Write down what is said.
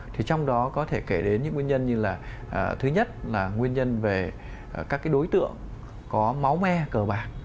thì trong đó có thể kể đến những nguyên nhân như là thứ nhất là nguyên nhân về các đối tượng có máu me cờ bạc